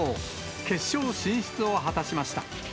決勝進出を果たしました。